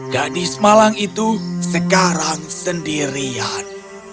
gadis malang itu sekarang sendirian